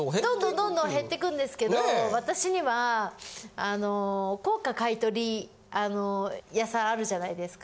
どんどん減ってくんですけど私にはあの高価買取屋さんあるじゃないですか。